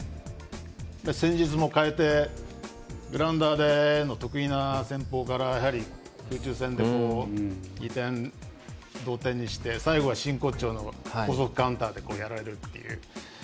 戦術も変えてグラウンダーでの得意な戦法から空中戦で２点、同点にして最後は真骨頂の高速カウンターでやられるという。